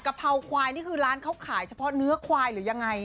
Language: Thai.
เพราควายนี่คือร้านเขาขายเฉพาะเนื้อควายหรือยังไง